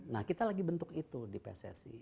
nah kita lagi bentuk itu di pssi